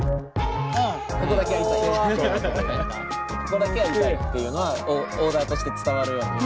ここだけやりたいっていうのはオーダーとして伝わるように。